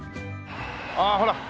ああほら。